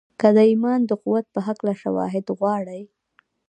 که د ايمان د قوت په هکله شواهد غواړئ.